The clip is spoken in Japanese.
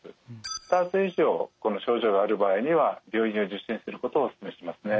２つ以上この症状がある場合には病院を受診することをお勧めしますね。